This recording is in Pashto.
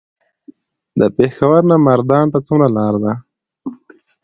د پېښور نه مردان ته څومره لار ده؟